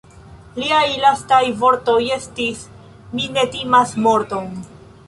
Liaj lastaj vortoj estis: "mi ne timas morton.